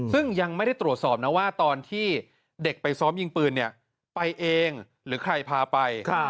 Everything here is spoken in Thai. ซึ่งยังไม่ได้ตรวจสอบนะว่าตอนที่เด็กไปซ้อมยิงปืนไปเองหรือใครพาไป